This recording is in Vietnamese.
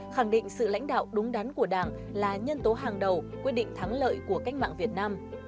khẳng định sự lãnh đạo đúng đắn của đảng là nhân tố hàng đầu quyết định thắng lợi của cách mạng việt nam